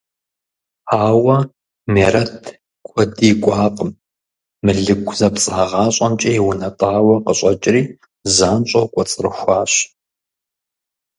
Ауэ Мерэт куэд икӀуакъым: мылыку зэпцӀагъащӀэмкӀэ иунэтӀауэ къыщӀэкӀри занщӀэу кӀуэцӀрыхуащ.